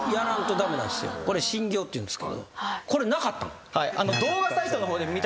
これ晨行っていうんですけどこれなかったん？